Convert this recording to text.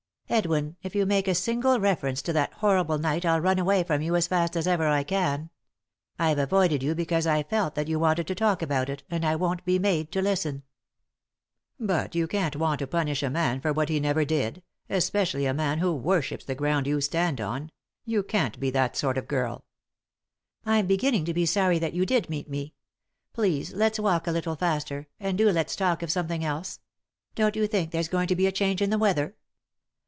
"Edwin, if you make a single reference to that horrible night I'll run away from you as fast as ever I can. I've avoided you because I've felt that you wanted to talk about it, and I won't be made to listen." "But you can't want to punish a man for what he never did, especially a man who worships the ground you stand on — you can't be that sort ot girl." " I'm beginning to be sorry that you did meet me. Please let's walk a little faster ; and do let's talk of something else. Don't you think there's going to be a change in the weather